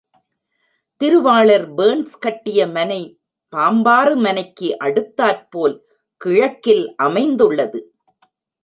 திருவாளர் பேன்ஸ் கட்டிய மனை பாம்பாறு மனைக்கு அடுத்தாற் போல், கிழக்கில் அமைந்துள்ளது.